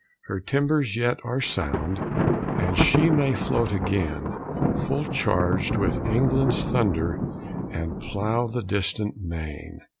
Her timbers yet are sound, And she may float again, Full charg'd with England's thunder And plough the distant main.